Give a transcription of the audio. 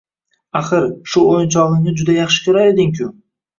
Axir, shu o`yinchog`ingni juda yaxshi ko`rar eding-ku